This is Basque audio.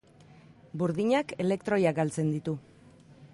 Burdinak elektroiak galtzen ditu.